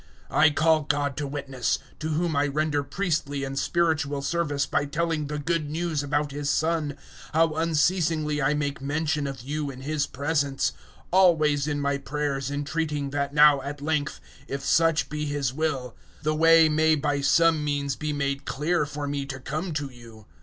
001:009 I call God to witness to whom I render priestly and spiritual service by telling the Good News about His Son how unceasingly I make mention of you in His presence, 001:010 always in my prayers entreating that now, at length, if such be His will, the way may by some means be made clear for me to come to you.